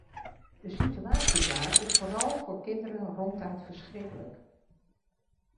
De situatie daar is vooral voor kinderen ronduit verschrikkelijk.